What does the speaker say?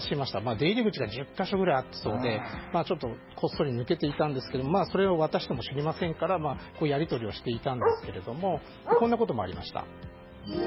出入り口は１０か所くらいあったそうでこっそり抜けていたんですがそれを私どもは知りませんからやり取りをしていたんですがこんなこともありました。